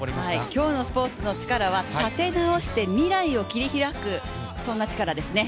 今日のスポーツの力は立て直して未来を切り開く、そんな力でしたね。